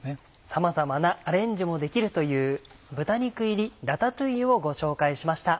さまざまなアレンジもできるという「豚肉入りラタトゥイユ」をご紹介しました。